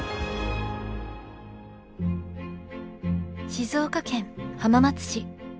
静岡県浜松市。